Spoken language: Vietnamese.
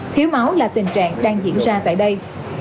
thiếu máu là tình trạng đang diễn ra tại đây